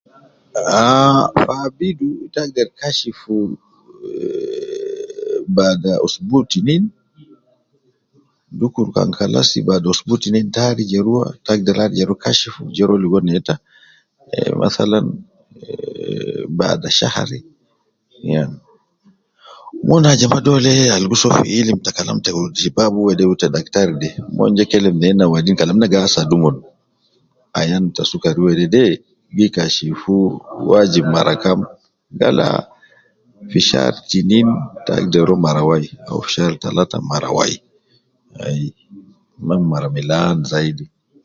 Ahh, fi abidu te agder kashifu, ehh bada usbu tinin, dukur kan kalas bada usbu tinin te arija ruwa, te agder arija ruwa kashifu rua ligo neta, eh mathalan, eh bada shahari ,nam, mon ajama dole al gi soo fi ilim ta kalam te wutibab wede, wu ta daktar de, mon ja kelem nena wadin kalam na gi asadu omon, ayan ta sukar wedede ,gi kashifu wajib mara kam, gal aa fi shar tinin te agder ruwa mara wai au shar talata mara wai ,ai, mma mara milan zaidi